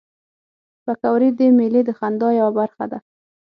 پکورې د میلې د خندا یوه برخه ده